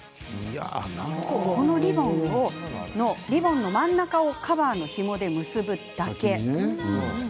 このリボンの真ん中をカバーのひもで結ぶだけ。